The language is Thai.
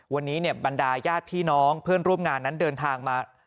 วันนี้บรรดาญาติพี่น้องเพื่อนร่วมงานนั้นเดินทางมา